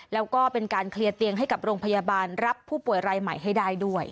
แล้วก็เป็นการเคลียร์เตียงให้กับโรงพยาบาลรับผู้ป่วยรายใหม่ให้ได้ด้วย